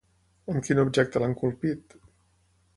Amb quin objecte l'han colpit?